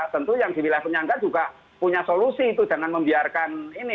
tentu yang di wilayah penyangga juga punya solusi itu jangan membiarkan ini